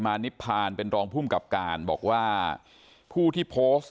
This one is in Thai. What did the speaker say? นิพพานเป็นรองภูมิกับการบอกว่าผู้ที่โพสต์